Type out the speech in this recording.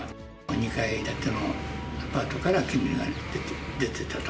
２階建てのアパートから煙が出てたと。